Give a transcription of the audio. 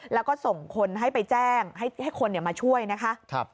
แล้วก็ส่งคนให้ไปแจ้งให้คนมาช่วยนะคะ